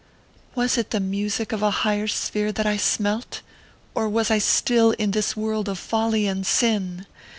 Was it the music of a higher sphere that I smelt, or was I still in this world of folly and sin